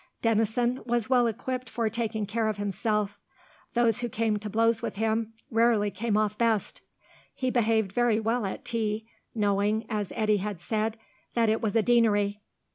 Denison was well equipped for taking care of himself; those who came to blows with him rarely came off best. He behaved very well at tea, knowing, as Eddy had said, that it was a Deanery.